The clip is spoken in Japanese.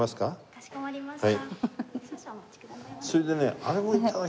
かしこまりました。